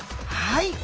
はい。